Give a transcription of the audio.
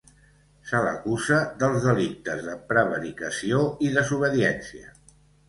Se l’acusa dels delictes de prevaricació i desobediència.